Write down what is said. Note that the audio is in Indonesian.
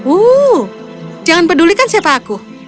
uh jangan pedulikan siapa aku